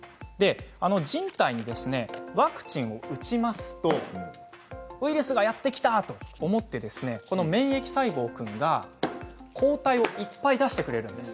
人体にワクチンを打ちますとウイルスがやって来たと思って免疫細胞君が抗体をいっぱい出してくれるんです。